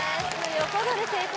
横取り成功